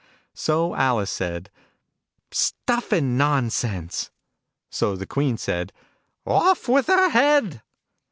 So Alice said " Stuff and nonsense !" So the Queen said " Off with her head